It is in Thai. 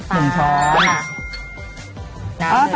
หมุนช้อน